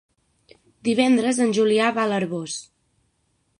Divendres en Julià va a l'Arboç.